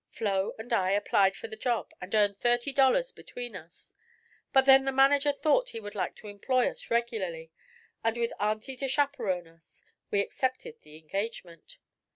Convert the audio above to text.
Flo and I applied for the job and earned thirty dollars between us; but then the manager thought he would like to employ us regularly, and with Auntie to chaperon us we accepted the engagement.